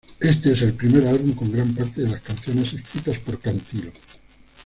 Este es el primer álbum con gran parte de las canciones escritas por Cantilo.